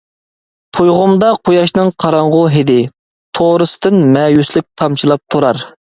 تۇيغۇمدا قۇياشنىڭ قاراڭغۇ ھىدى، تورۇستىن مەيۈسلۈك تامچىلاپ تۇرار.